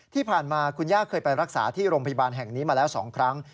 ที่ผ่านมาคุณย่าเคยไปรักษาที่โรงพยาบาลแห่งนี้มาแล้ว๒ครั้ง